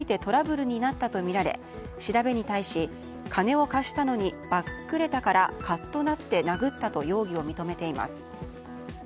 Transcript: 男は少年に現金１万円を貸していて返済についてトラブルになったとみられ調べに対し、金を貸したのにばっくれたからカッとなって殴ったと容疑を認めています。